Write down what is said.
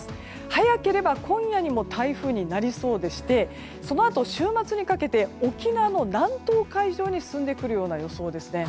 早ければ今夜にも台風になりそうでしてそのあと週末にかけて沖縄の南東海上に進んでくる予想ですね。